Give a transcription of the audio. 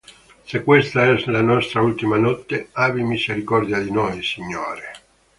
Se questa è la nostra ultima notte, abbi misericordia di noi, Signore!